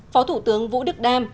phó thủ tướng vũ đức đam